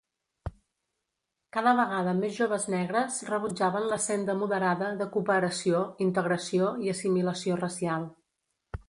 Cada vegada més joves negres rebutjaven la senda moderada de cooperació, integració i assimilació racial.